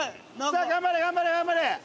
さあ頑張れ頑張れ頑張れ。